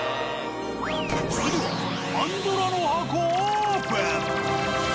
それではパンドラの箱オープン！